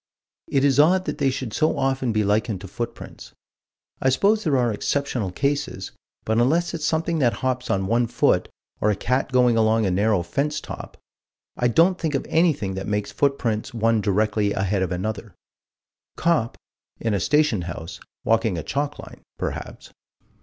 It is odd that they should so often be likened to footprints: I suppose there are exceptional cases, but unless it's something that hops on one foot, or a cat going along a narrow fence top, I don't think of anything that makes footprints one directly ahead of another Cop, in a station house, walking a chalk line, perhaps.